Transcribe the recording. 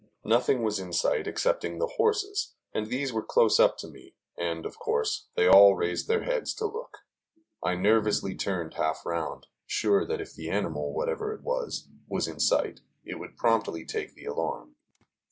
Nothing was in sight excepting the horses, and these were close up to me, and, of course, they all raised their heads to look. I nervously turned half round, sure that if the animal, whatever it was, was in sight, it would promptly take the alarm.